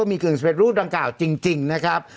ว่ามีเกลืองสเปรดรูปดังกล่าวจริงนะครับ